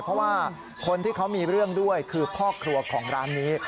เพราะว่าคนที่เขามีเรื่องด้วยคือพ่อครัวของร้านนี้